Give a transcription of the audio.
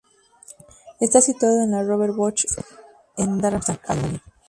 Está situado en la Robert-Bosch-Strasse en Darmstadt, Alemania.